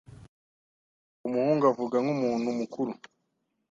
Uwo muhungu avuga nkumuntu mukuru.